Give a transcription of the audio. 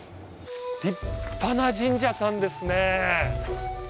立派な神社さんですね。